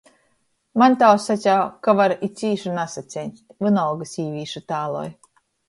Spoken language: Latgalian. Maņ tāvs saceja, ka var i cīši nasaceņst, vīnolga sīvīši tāloj.